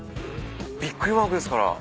ビックリマークですから。